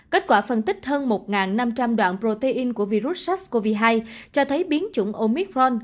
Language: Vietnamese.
kết quả phân tích hơn một năm trăm linh đoạn protein của virus sars cov hai cho thấy biến chủng omic ron